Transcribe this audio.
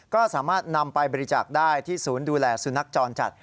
ก็สามารถนำไปบริจาคได้ที่ศูนย์ดูแลสุนัขจรจัด